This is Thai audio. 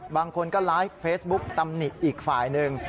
บางคนก็ไลฟ์เฟซบุ๊กตำหนิอีกฝ่ายหนึ่ง